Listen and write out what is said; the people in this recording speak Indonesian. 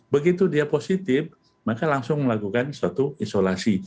begitu dia positif maka langsung melakukan suatu isolasi